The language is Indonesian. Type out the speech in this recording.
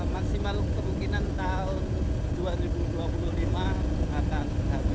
maksimal kemungkinan tahun dua ribu dua puluh lima akan habis